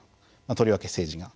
とりわけ政治が。